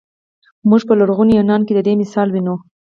موږ په لرغوني یونان کې د دې مثال وینو.